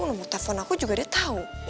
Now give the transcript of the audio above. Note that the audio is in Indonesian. nomor telepon aku juga dia tahu